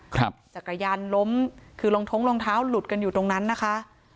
จักรยานล้มคือรองท้องรองเท้าหลุดกันอยู่ตรงนั้นนะคะ